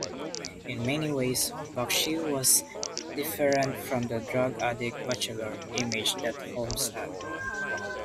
In many ways Bakshi was different from the "drug-addict" bachelor image that Holmes had.